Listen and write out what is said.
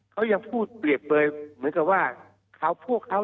เขายังพูดบริเวณไหมก็ว่าเขาพวกเขา